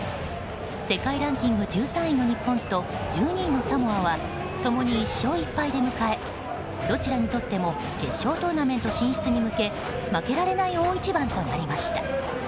世界ランキング１３位の日本と１２位のサモアは共に１勝１敗で迎えどちらにとっても決勝トーナメント進出に向け負けられない大一番となりました。